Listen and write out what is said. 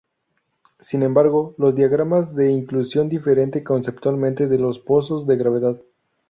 Sin embargo, los diagramas de inclusión difieren conceptualmente de los pozos de gravedad.